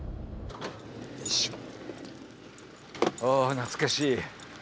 ああ懐かしい。